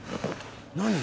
何？